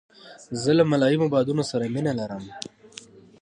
زه له ملایمو بادونو سره مینه لرم.